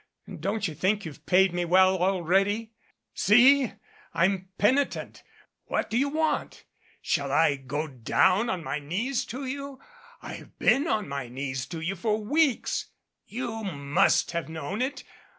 Don't you think you've paid me well already? See! I'm penitent. What do you want? Shall I go down on my knees to you. I have been on my knees to you for weeks you must have known it.